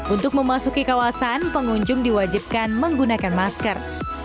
untuk memasuki kawasan pengunjung diwajibkan menggunakan masker